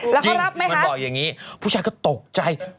แล้วเขารับไหมคะมันบอกอย่างนี้ผู้ชายก็ตกใจ